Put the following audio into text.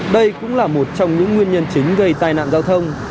đây cũng là một trong những nguyên nhân chính gây tai nạn giao thông